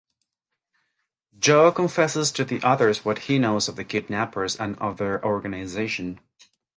Joe confesses to the others what he knows of the kidnappers and of their organization.